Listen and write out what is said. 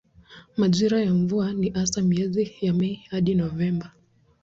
Majira ya mvua ni hasa miezi ya Mei hadi Novemba.